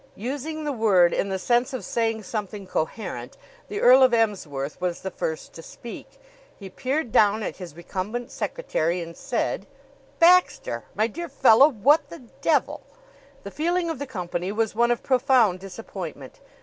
Using the word in the sense of saying something coherent, the Earl of Emsworth was the first to speak. He peered down at his recumbent secretary and said: "Baxter! My dear fellow what the devil?" The feeling of the company was one of profound disappointment.